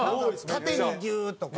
縦にギューッとこう。